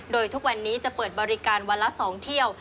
โดยทุกวันนี้จะเปิดบริการวันละ๒เที่ยว